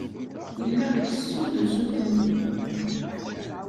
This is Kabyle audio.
Yella ittessu-d usuten.